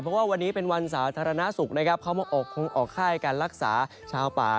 เพราะว่าวันนี้เป็นวันสาธารณสุขนะครับเขามาออกคงออกค่ายการรักษาชาวป่า